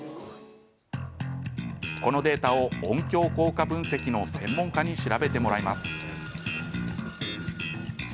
このデータを音響効果分析の専門家に調べてもらいます。